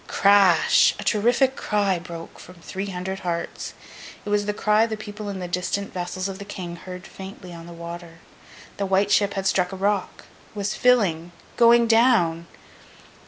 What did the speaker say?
Crash! A terrific cry broke from three hundred hearts. It was the cry the people in the distant vessels of the King heard faintly on the water. The White Ship had struck upon a rock—was filling—going down!